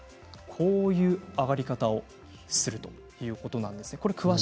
こういう上がり方をするということですね。